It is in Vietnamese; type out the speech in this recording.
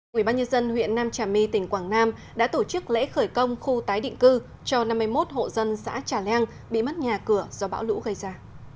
quỹ ban nhân dân huyện nam trà my tỉnh quảng nam đã tổ chức lễ khởi công khu tái định cư cho năm mươi một hộ dân xã trà leng bị mất nhà cửa do bão lũ gây ra